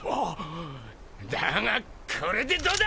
だがこれでどうだ！